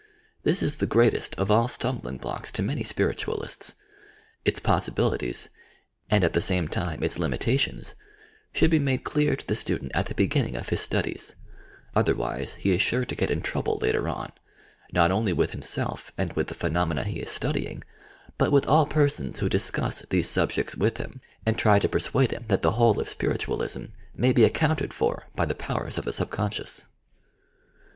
This is the greatest of all stumbling blocks to many spiritualists, It,s possibilities, and at the same time its limitations, should be made clear to the student at the beginninj; of his studies, otherwise he is sure to get in trouble later on, not only with him self and with the phenomena he is studying, but with all persons who discuss these subjects with him, and try to persuade him that the whole of Spiritualism may be accounted for by the powers of the subconscious.